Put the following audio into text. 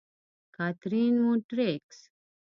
کاترین: مونټریکس.